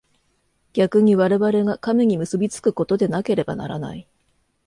逆に我々が神に結び附くことでなければならない。